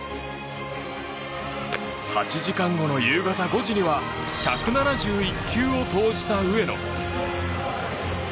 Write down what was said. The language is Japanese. ８時間後の夕方５時には１７１球を投じた上野。